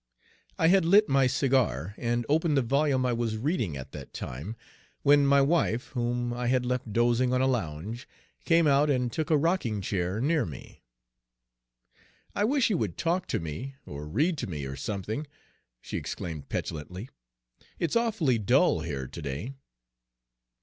I had lit my cigar and opened the volume I was reading at that time, when my wife, whom I had left dozing on a lounge, came out and took a rocking chair near me. "I wish you would talk to me, or read to me or something," she exclaimed petulantly. "It's awfully dull here today."